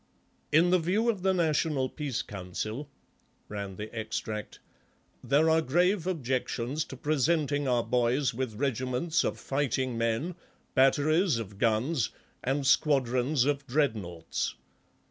"In the view of the National Peace Council," ran the extract, "there are grave objections to presenting our boys with regiments of fighting men, batteries of guns, and squadrons of 'Dreadnoughts.